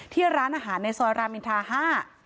ที่ร้านอาหารในซอยรามอินทราห้า